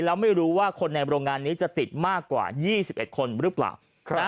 แล้วไม่รู้ว่าคนในโรงงานนี้จะติดมากกว่า๒๑คนหรือเปล่า